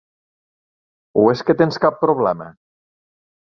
O és que tens cap problema?